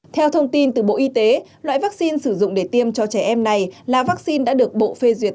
theo thông tin từ bộ y tế loại vaccine sử dụng để tiêm cho trẻ em này là vaccine đã được bộ phê duyệt